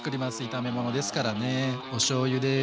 炒め物ですからね。おしょうゆです。